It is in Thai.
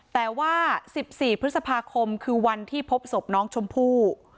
แต่ว่า๑๔พฤษภาคมคือวันที่พบศพน้องชมพู่